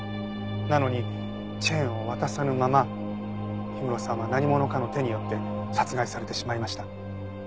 なのにチェーンを渡さぬまま氷室さんは何者かの手によって殺害されてしまいました。